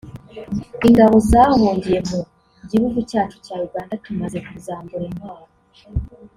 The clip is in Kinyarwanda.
” Ingabo zahungiye mu gihugu cyacu cya Uganda tumaze kuzambura intwaro